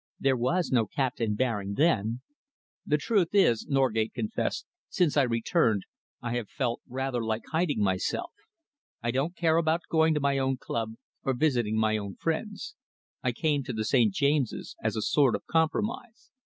There was no Captain Baring then." "The truth is," Norgate confessed, "since I returned, I have felt rather like hiding myself. I don't care about going to my own club or visiting my own friends. I came to the St. James's as a sort of compromise."